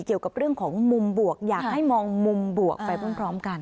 เกี่ยวกับเรื่องของมุมบวกอยากให้มองมุมบวกไปพร้อมกัน